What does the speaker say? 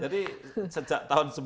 jadi sejak tahun sembilan belas